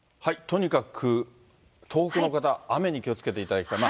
とにかく東北の方、雨に気をつけていただきたい。